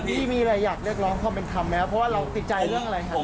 พี่มีอะไรอยากเรียกร้องความเป็นธรรมไหมครับเพราะว่าเราติดใจเรื่องอะไรครับ